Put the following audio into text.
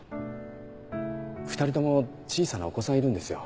２人とも小さなお子さんいるんですよ。